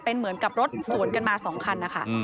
เป็นเหมือนกับรถสวนกันมา๒คันนะคะ